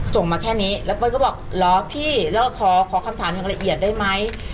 มาแค่นี้แล้วเปิ้ลก็บอกเหรอพี่แล้วขอคำถามอย่างละเอียดได้ไหม